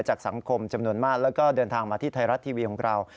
จากสังคมจำนวนมากแล้วก็เดินทางมาที่ไทยรัฐทีวีของเรา